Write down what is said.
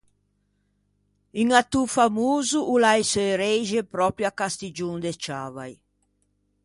Un attô famoso o l'à e seu reixe pròpio à Castiggion de Ciavai.